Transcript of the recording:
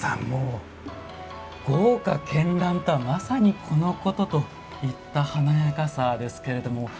もう豪華絢爛とはまさにこのことといった華やかさですけれども。